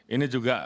ini juga bagi kami